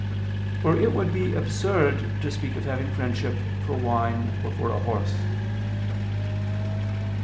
For it would be absurd to speak of having friendship for wine or for a horse.